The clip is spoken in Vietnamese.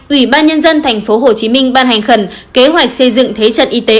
ủy ban nhân dân tp hcm ban hành khẩn kế hoạch xây dựng thế trận y tế